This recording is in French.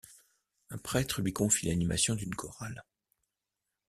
Un prêtre lui confie l'animation d'une chorale.